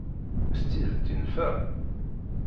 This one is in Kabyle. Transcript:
S tidett yenfa?